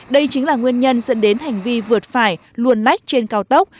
đây chính là nguyên nhân dẫn đến hành vi vượt phải luồn lách trên cao tốc